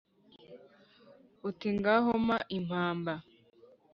uti: “ngaho mpa impamba